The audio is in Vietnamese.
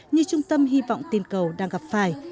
như trung tâm hy vọng tìm cầu đang gặp phải